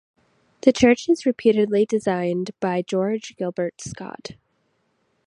The church is reputedly designed by George Gilbert Scott.